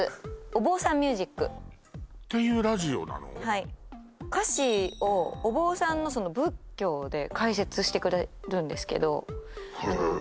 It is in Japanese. はい歌詞をお坊さんのその仏教で解説してくれるんですけどへえ